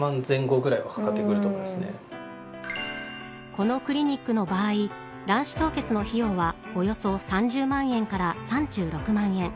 このクリニックの場合卵子凍結の費用はおよそ３０万円から３６万円。